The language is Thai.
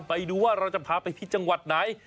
ไปดูว่าเราจะพาไปที่จังหวัดไหน